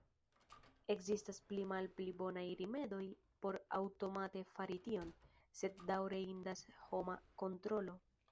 Ekzistas pli malpli bonaj rimedoj por aŭtomate fari tion, sed daŭre indas homa kontrolo.